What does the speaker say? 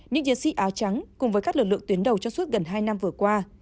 những chiến sĩ áo trắng cùng với các lực lượng tuyến đầu trong suốt gần hai năm vừa qua